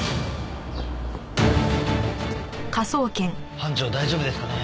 班長大丈夫ですかね？